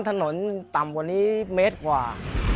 ถนนต่ำกว่านี้เมตรกว่า